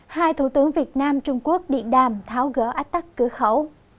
hai thủ tướng việt nam trung quốc điện đàm tháo gỡ ách tắc cửa khẩu